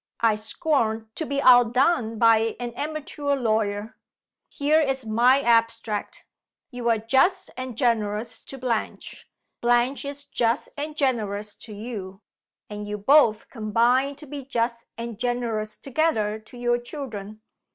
I scorn to be outdone by an amateur lawyer. Here is my abstract: You are just and generous to Blanche; Blanche is just and generous to you; and you both combine to be just and generous together to your children.